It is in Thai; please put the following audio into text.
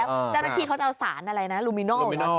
เจ้าหน้าที่เขาจะเอาสารลูมินอลที่ไปตรวจ